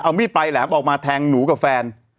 เอาไม่ไปแหละบอกมาแทงหนูกับแฟน